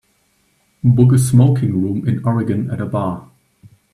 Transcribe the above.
book a smoking room in Oregon at a bar